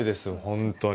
本当に。